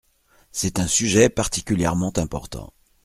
C’est un sujet particulièrement important.